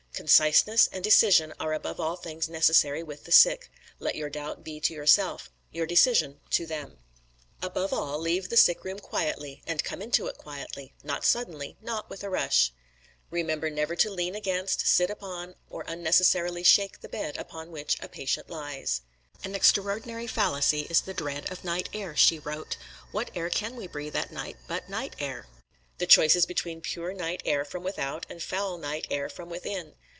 "Conciseness and decision are above all things necessary with the sick. Let your doubt be to yourself, your decision to them." "Above all leave the sick room quietly, and come into it quietly; not suddenly, not with a rush." "Remember never to lean against, sit upon, or unnecessarily shake the bed upon which a patient lies." "An extraordinary fallacy is the dread of night air," she wrote. "What air can we breathe at night but night air? The choice is between pure night air from without and foul night air from within.